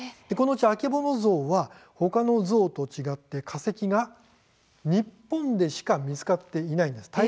このうちアケボノゾウはほかのゾウと違って化石が日本でしか見つかっていないんです。